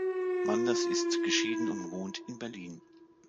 Manders ist geschieden und wohnt in Berlin.